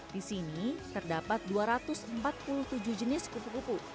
di sini terdapat dua ratus empat puluh tujuh jenis kupu kupu